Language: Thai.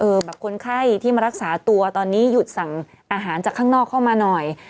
แบบคนไข้ที่มารักษาตัวตอนนี้หยุดสั่งอาหารจากข้างนอกเข้ามาหน่อย